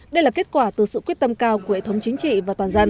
đây là kết quả từ sự quyết tâm cao của hệ thống chính trị và toàn dân